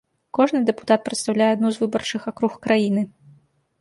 Кожны дэпутат прадстаўляе адну з выбарчых акруг краіны.